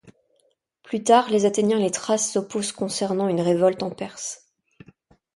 Plus tard, les Athéniens et les Thraces s'opposent concernant une révolte en Perse.